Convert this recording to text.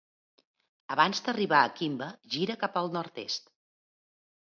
Abans d'arribar a Kimba, gira cap al nord-est.